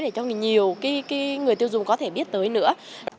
để cho nhiều người tiêu dùng có thể biết tới nữa